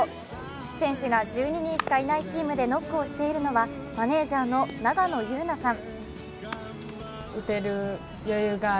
選手が１２人しかいないチームでノックをしているのはマネージャーの永野悠菜さん。